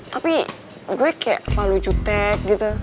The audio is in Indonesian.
tapi gue kaya selalu jutek gitu